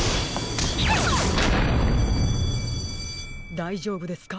だいじょうぶですか？